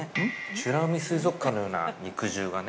◆美ら海水族館のような肉汁がね。